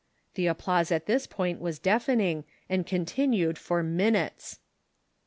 .[Tlie applause at this point was deafening, and continued for minutes.